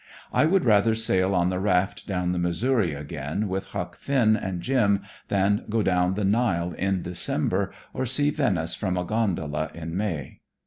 I would rather sail on the raft down the Missouri again with "Huck" Finn and Jim than go down the Nile in December or see Venice from a gondola in May.